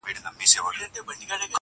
نه ادا سول د سرکار ظالم پورونه!!